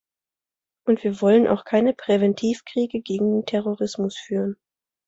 Und wir wollen auch keine Präventivkriege gegen den Terrorismus führen.